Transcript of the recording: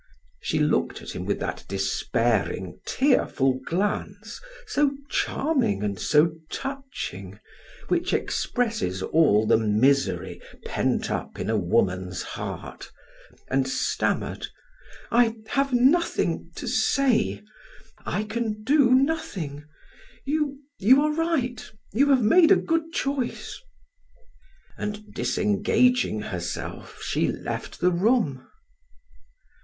She looked at him with that despairing, tearful glance so charming and so touching, which expresses all the misery pent up in a woman's heart, and stammered: "I have nothing to say; I can do nothing. You you are right; you have made a good choice." And disengaging herself she left the room.